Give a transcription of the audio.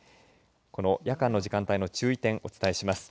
この夜間の時間帯の注意点をお伝えします。